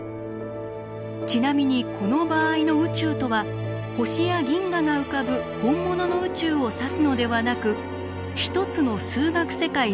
ちなみにこの場合の宇宙とは星や銀河が浮かぶ本物の宇宙を指すのではなく一つの数学世界全体を指す望月博士独特の数学用語です。